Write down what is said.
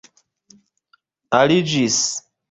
aliĝis